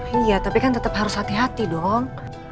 iya tapi kan tetap harus hati hati dong